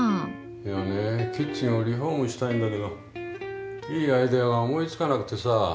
いやねキッチンをリフォームしたいんだけどいいアイデアが思いつかなくてさ。